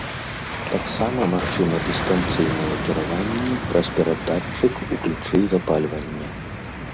Таксама магчыма дыстанцыйнае кіраванне праз перадатчык у ключы запальвання.